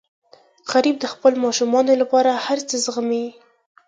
غریب د خپلو ماشومانو لپاره هر څه زغمي